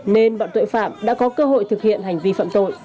nên bọn tội phạm đã có cơ hội thực hiện hành vi phạm tội